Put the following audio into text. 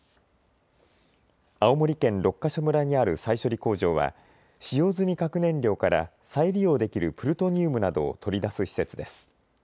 青森県六ヶ所村にある再処理工場は使用済み核燃料から再利用できるプルトニウムなどを取り出す施設です。